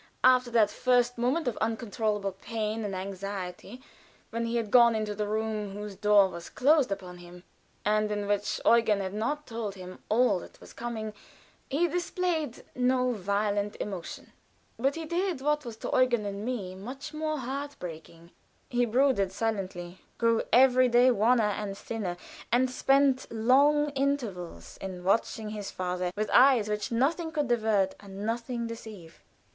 After that first moment of uncontrollable pain and anxiety, when he had gone into the room whose door was closed upon him, and in which Eugen had not told him all that was coming, he displayed no violent emotion; but he did what was to Eugen and me much more heart breaking brooded silently; grew every day wanner and thinner, and spent long intervals in watching his father, with eyes which nothing could divert and nothing deceive.